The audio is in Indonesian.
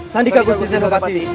sandika gusti senopati